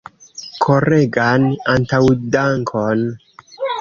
Koregan antaŭdankon!